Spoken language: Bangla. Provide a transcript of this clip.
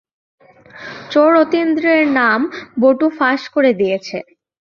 চোর অতীন্দ্রের নাম বটু ফাঁস করে দিয়েছে।